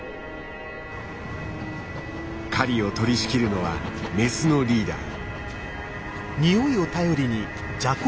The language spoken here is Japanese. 狩りを取りしきるのはメスのリーダー。